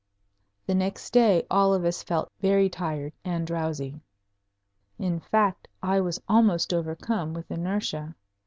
The next day all of us felt very tired and drowsy. In fact, I was almost overcome with inertia.